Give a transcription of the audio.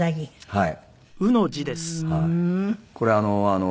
はい。